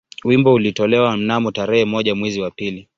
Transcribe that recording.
Wimbo ulitolewa mnamo tarehe moja mwezi wa pili